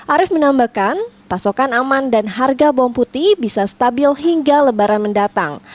arief menambahkan pasokan aman dan harga bawang putih bisa stabil hingga lebaran mendatang